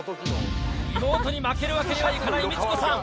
妹に負けるわけにはいかない美智子さん。